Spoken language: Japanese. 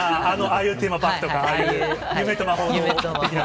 ああいうテーマパークとか、夢と魔法の的な？